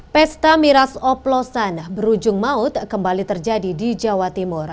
pesta miras oplosan berujung maut kembali terjadi di jawa timur